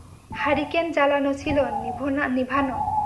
Hurricane জ্বালানো ছিল, নিভানো!